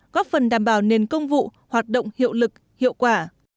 góp phần đảm bảo nền công vụ hoạt động hiệu lực hiệu quả